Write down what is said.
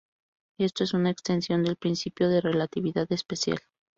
Esto es una extensión del principio de relatividad especial.